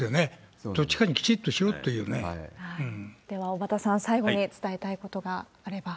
小畠さん、最後に伝えたいことがあれば。